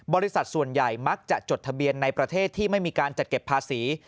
บริษัทส่วนใหญ่มักจะจดทะเบียนในประเทศที่ไม่มีการจัดเก็บภาษี